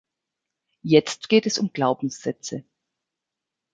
Jetzt geht es um Glaubenssätze.